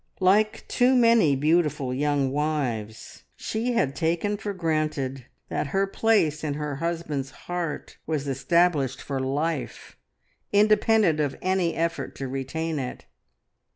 Like too many beautiful young wives, she had taken for granted that her place in her husband's heart was established for life, independent of any effort to retain it.